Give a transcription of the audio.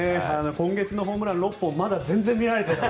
今月のホームラン６本まだ全然見られてない。